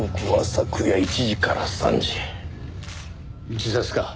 自殺か？